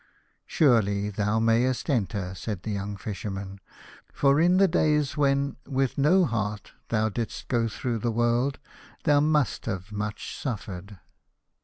"Surely thou mayest enter," said the young Fisherman, "for in the days when with no heart thou didst go through the world thou must have much suffered."